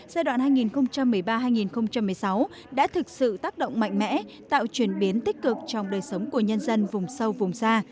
giai đoạn hai nghìn một mươi ba hai nghìn một mươi sáu đã thực sự tác động mạnh mẽ tạo chuyển biến tích cực trong đời sống của nhân dân vùng sâu vùng xa